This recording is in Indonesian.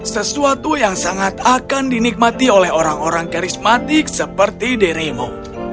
sesuatu yang sangat akan dinikmati oleh orang orang karismatik seperti dirimu